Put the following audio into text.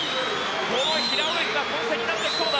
この平泳ぎが混戦になってきそうだ。